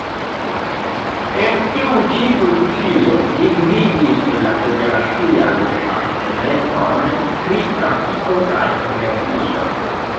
En tiu-ĉi funkcio li gvidis la Federacian Departementon pri Trafiko kaj Energio.